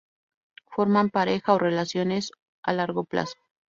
Forman pareja o relaciones a largo plazo.